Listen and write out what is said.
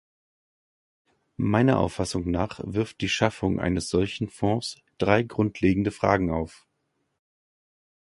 Meiner Auffassung nach wirft die Schaffung eines solchen Fonds drei grundlegende Fragen auf.